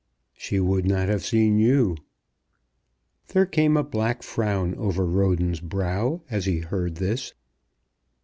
"She would not have seen you." There came a black frown over Roden's brow as he heard this.